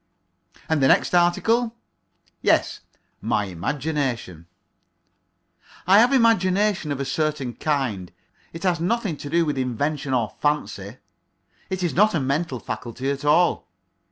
And the next article? Yes, my imagination. I have imagination of a certain kind. It has nothing to do with invention or fancy. It is not a mental faculty at all.